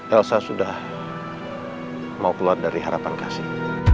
elsa sudah mau keluar dari harapan kasih